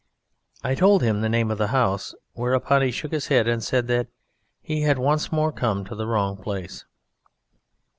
I told him the name of the house, whereupon he shook his head and said that he had once more come to the wrong place.